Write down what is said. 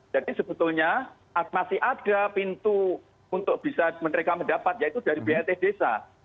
jadi sebetulnya masih ada pintu untuk bisa mereka mendapat yaitu dari bat desa